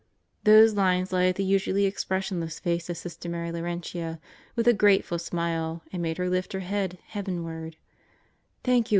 Those lines lighted the usually expressionless face of Sister Mary Laurentia with a grateful smile and made her lift her head heavenward: "Thank you.